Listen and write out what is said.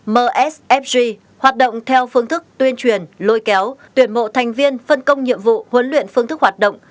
ba msfg hoạt động theo phương thức tuyên truyền lôi kéo tuyển mộ thành viên phân công nhiệm vụ huấn luyện phương thức hoạt động